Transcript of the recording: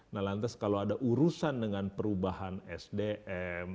nah lantas kalau ada urusan dengan perubahan sdm